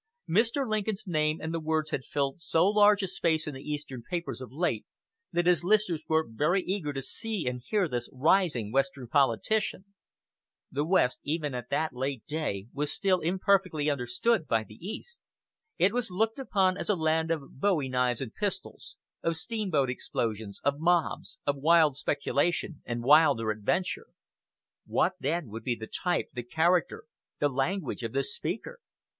Mr. Lincoln's name and words had filled so large a space in the Eastern newspapers of late, that his listeners were very eager to see and hear this rising Western politician. The West, even at that late day, was very imperfectly understood by the East. It was looked upon as a land of bowie knives and pistols, of steamboat explosions, of mobs, of wild speculation and wilder adventure. What, then, would be the type, the character, the language of this speaker?